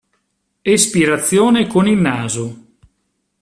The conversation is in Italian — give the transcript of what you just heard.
Espirazione con il naso.